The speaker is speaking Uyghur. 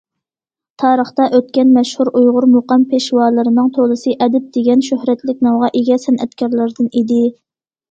تارىختا ئۆتكەن مەشھۇر ئۇيغۇر مۇقام پېشۋالىرىنىڭ تولىسى ئەدىب دېگەن شۆھرەتلىك نامغا ئىگە سەنئەتكارلاردىن ئىدى.